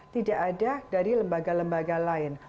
tidak ada dari lembaga lembaga lain